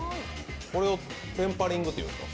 これをテンパリングというんですか。